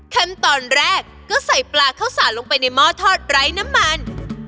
ขั้นตอนแรกก็ใส่ปลาข้าวสารลงไปในหม้อทอดไร้น้ำมัน